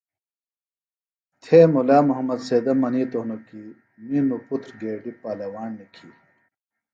تھےۡ مُلا محمد سیدہ منِیتوۡ ہِنوۡ کی می نوۡ پُتر گیڈیۡ پالواݨ نِکھی